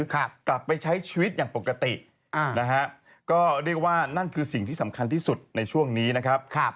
กลับไปใช้ชีวิตอย่างปกติอ่านะฮะก็เรียกว่านั่นคือสิ่งที่สำคัญที่สุดในช่วงนี้นะครับ